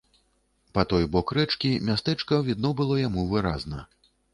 Па той бок рэчкі мястэчка відно было яму выразна.